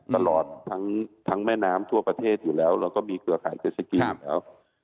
ตลอดทั้งแม่น้ำทั่วประเทศอยู่แล้วแล้วก็มีเครือข่ายเจสสกีอยู่แล้ว